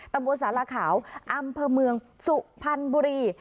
ตำรวจสารขาวอำเภอเมืองสุพรรณบุรี